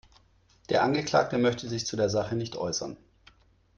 Der Angeklagte möchte sich zu der Sache nicht äußern.